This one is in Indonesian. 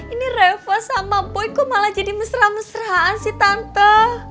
ini reva sama boy kok malah jadi mesra mesraan sih tante